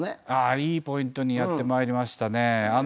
いいポイントにやってまいりましたね。